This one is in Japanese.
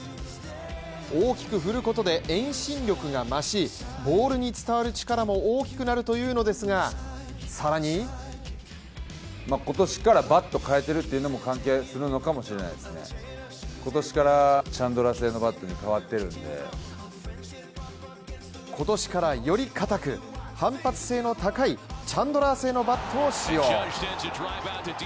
大きく振ることで遠心力が増し、ボールに伝わる力も大きくなるというのですが、更に今年からよりかたく、反発性の高いチャンドラー製のバットを使用。